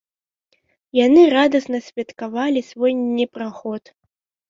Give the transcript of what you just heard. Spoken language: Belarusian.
Яны радасна святкавалі свой непраход.